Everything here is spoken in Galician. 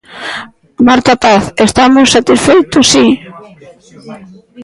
Marta Paz: Estamos satisfeitos, si.